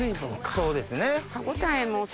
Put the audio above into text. そうですね。